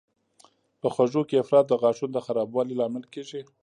په خوږو کې افراط د غاښونو د خرابوالي لامل کېږي.